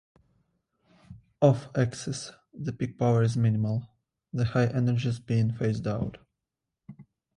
Off-axis, the peak power is minimal, the high energies being phased out.